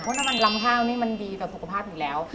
น้ำมันรำข้าวมันปลอดภัยกันอยู่แล้ว